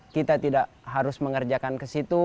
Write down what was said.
kita tidak harus mengerjakan ke situ